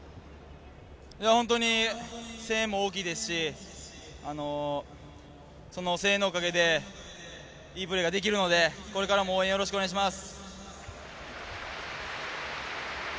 本当に声援も大きいですしその声援のおかげでいいプレーができるのでこれからも応援よろしくお願いします。